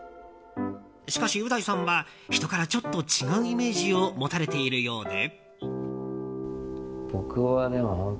しかし、う大さんは人からちょっと違うイメージを持たれているようで。